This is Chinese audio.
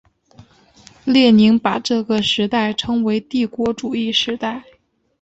列宁把这个时代称为帝国主义时代。